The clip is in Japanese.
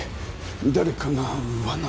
誰かが罠を。